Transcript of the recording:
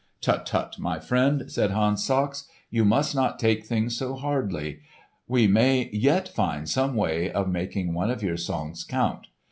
"Tut, tut, my friend," said Hans Sachs. "You must not take things so hardly. We may yet find some way of making one of your songs count.